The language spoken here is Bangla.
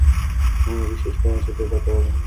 আমার বিশেষ কারো সাথে কথা বলা দরকার।